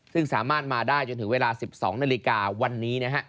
ซึ่งสามารถมาได้จนถึงเวลา๑๒นาฬิกาวันนี้นะฮะ